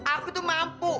aku tuh mampu